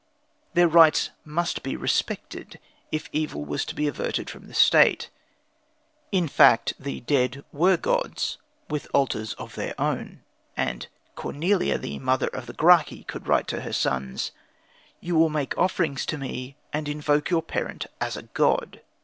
" Their rights must be respected, if evil was to be averted from the State. In fact, the dead were gods with altars of their own, and Cornelia, the mother of the Gracchi, could write to her sons, "You will make offerings to me and invoke your parent as a god."